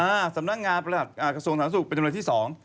แล้วก็สำนักงานประหลาดกระทรวงศาลนาศุกร์เป็นจำเลยที่สอง